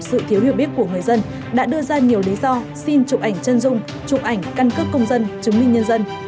và sự thiếu hiệu biết của người dân đã đưa ra nhiều lý do xin trụ ảnh chân dung trụ ảnh cân cước công dân chứng minh nhân dân